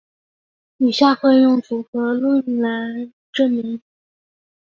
以下会用组合论述来证明。